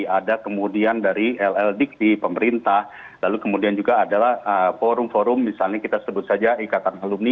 ada kemudian dari lld di pemerintah lalu kemudian juga adalah forum forum misalnya kita sebut saja ikatan alumni